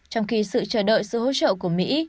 trong khi sự chờ đợi sự hỗ trợ của mỹ